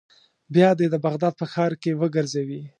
بیا دې د بغداد په ښار کې وګرځوي.